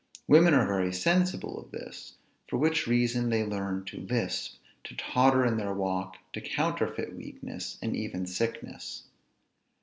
Women are very sensible of this; for which reason they learn to lisp, to totter in their walk, to counterfeit weakness, and even sickness.